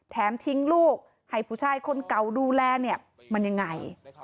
ทิ้งลูกให้ผู้ชายคนเก่าดูแลเนี่ยมันยังไง